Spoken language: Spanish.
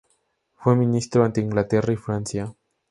Fue Ministro ante Inglaterra y Francia.